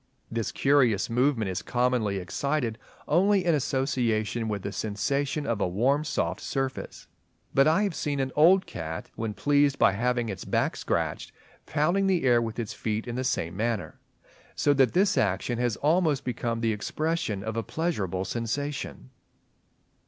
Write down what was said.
This curious movement is commonly excited only in association with the sensation of a warm soft surface; but I have seen an old cat, when pleased by having its back scratched, pounding the air with its feet in the same manner; so that this action has almost become the expression of a pleasurable sensation.